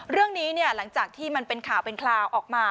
เรื่องนี้หลังจากที่มันเป็นข่าวเป็นคราวออกมา